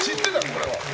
これは。